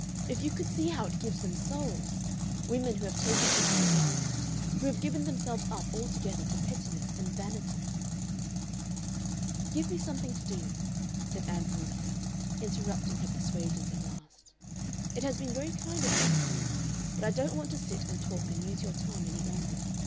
If you could see how it gives them souls, women who have taken things for granted, who have given themselves up altogether to pettiness and vanity...." "Give me something to do," said Ann Veronica, interrupting her persuasions at last. "It has been very kind of you to see me, but I don't want to sit and talk and use your time any longer.